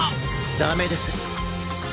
ダメです。